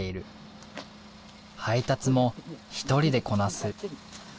配達も１人でこなす。